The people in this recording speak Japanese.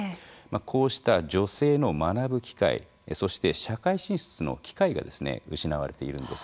こうした女性の学ぶ機会そして社会進出の機会が失われているんです。